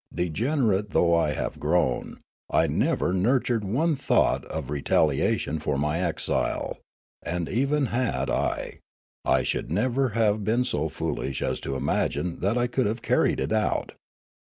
Degenerate though I have grown, I never nurtured one thought of retaliation for my exile ; and even had I, I should never have been so foolish as to imagine that I could have carried it out.